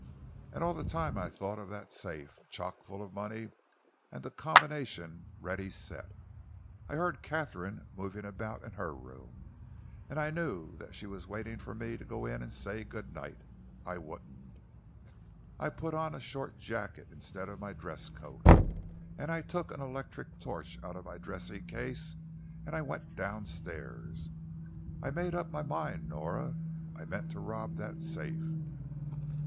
And all the time I thought of that safe, chock full of money, and the combination ready set. I heard Katharine moving about in her room, and I knew that she was waiting for me to go and say good night. I wouldn't. I put on a short jacket instead of my dress coat, and I took an electric torch out of my dressing case and I went down stairs. I'd made up my mind, Nora. I meant to rob that safe."